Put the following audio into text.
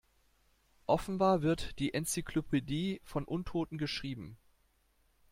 Offenbar wird die Enzyklopädie von Untoten geschrieben.